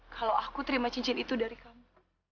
kalau aku terima cincin itu dari kamu